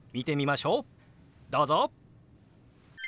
どうぞ！